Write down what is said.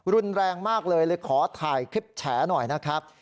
รุนแรงมากเลยเลยขอถ่ายคลิปแฉหน่อยนะครับ